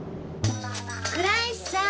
倉石さーん。